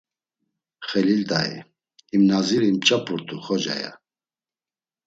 Xelil Dai: “Him na ziri mç̌apurt̆u Xoca!” ya.